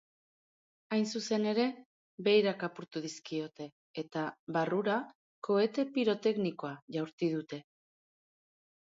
Hain zuzen ere, beirak apurtu dizkiote eta barrura kohete piroteknikoa jaurti dute.